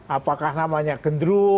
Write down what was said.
apakah namanya gendro